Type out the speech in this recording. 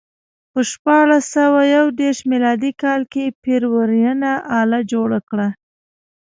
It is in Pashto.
په شپاړس سوه یو دېرش میلادي کال کې پير ورنیه آله جوړه کړه.